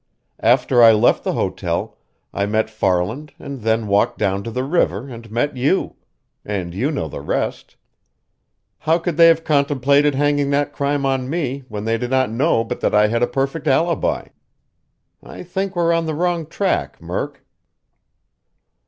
"After I left the hotel, I met Farland and then walked down to the river and met you and you know the rest. How could they have contemplated hanging that crime on me when they did not know but that I had a perfect alibi? I think we're on the wrong track, Murk."